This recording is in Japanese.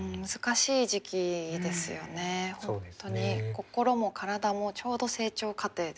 心も体もちょうど成長過程で。